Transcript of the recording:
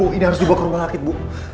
ini harus dibawa ke rumah sakit bu